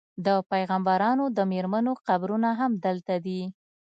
د پیغمبرانو د میرمنو قبرونه هم دلته دي.